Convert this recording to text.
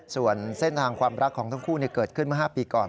ส่วนเส้นทางความรักของทั้งคู่เกิดขึ้นเมื่อ๕ปีก่อน